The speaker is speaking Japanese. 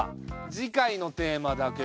次回のテーマだけど。